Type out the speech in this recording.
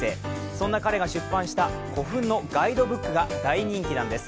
そんな彼が出版した古墳のガイドブックが大人気なんです。